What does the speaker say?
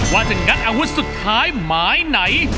ว่าจะงัดอาวุธสุดท้ายหมายไหน